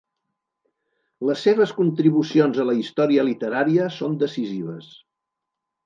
Les seves contribucions a la història literària són decisives.